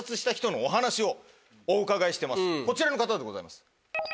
こちらの方でございます。